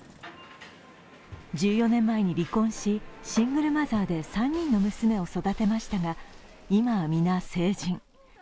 １４年前に離婚し、シングルマザーで３人の娘を育てましたが今は皆、成人。